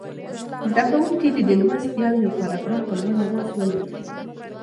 زده کوونکي دې د لوست یو یو پاراګراف په لوړ اواز ولولي.